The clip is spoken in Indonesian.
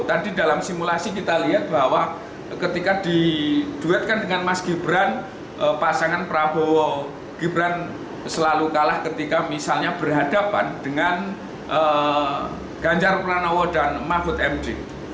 tadi dalam simulasi kita lihat bahwa ketika diduetkan dengan mas gibran pasangan prabowo gibran selalu kalah ketika misalnya berhadapan dengan ganjar pranowo dan mahfud md